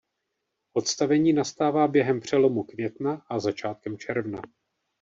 Odstavení nastává během přelomu května a začátkem června.